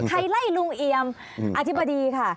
ใครไล่ลุงเอียมอธิบดีค่ะ